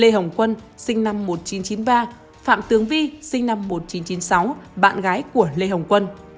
lê hồng quân sinh năm một nghìn chín trăm chín mươi ba phạm tướng vi sinh năm một nghìn chín trăm chín mươi sáu bạn gái của lê hồng quân